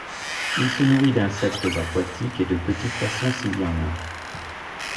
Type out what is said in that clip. Il se nourrit d'insectes aquatiques et de petits poissons s'il y en a.